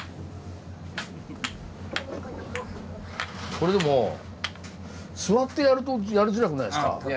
これでも座ってやるとやりづらくないですか？